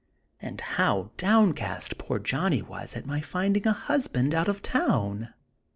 And HOW downcast poor Johnny was at my finding a husband out of town!